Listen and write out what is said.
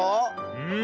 うん。